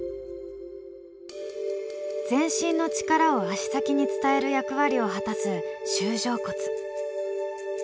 全身の力を足先に伝える役割を果たす舟状骨。